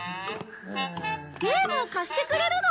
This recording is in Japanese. ゲームを貸してくれるの？